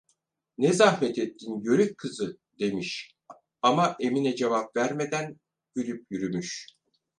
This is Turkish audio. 'Ne zahmet ettin, yörük kızı!' demiş, ama Emine cevap vermeden gülüp yürümüş.